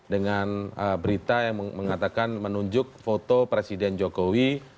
dengan berita yang mengatakan menunjuk foto presiden jokowi